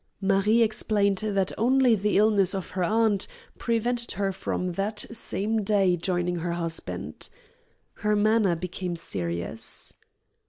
Marie explained that only the illness of her aunt prevented her from that same day joining her husband. Her manner became serious.